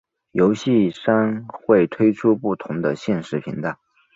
游戏商会推出不同的限时频道。